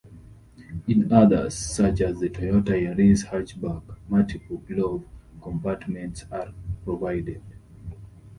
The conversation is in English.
In others, such as the Toyota Yaris hatchback, multiple glove compartments are provided.